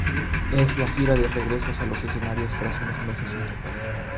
Es la gira del regreso a los escenarios, tras unos meses sin tocar.